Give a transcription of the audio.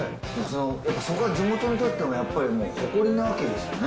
そこは地元にとってもやっぱり誇りなわけですよね。